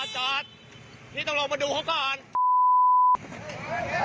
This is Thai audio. จอดพี่ต้องลงมาดูเหอะครับ